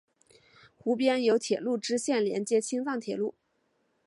湖边有铁路支线连接青藏铁路。